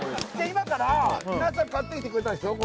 今から皆さん買ってきてくれたでしょ